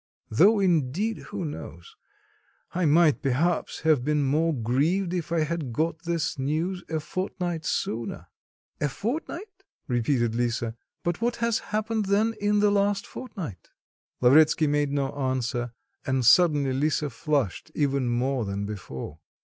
Though indeed, who knows? I might, perhaps, have been more grieved if I had got this news a fortnight sooner." "A fortnight?" repeated Lisa. "But what has happened then in the last fortnight?" Lavretsky made no answer, and suddenly Lisa flushed even more than before.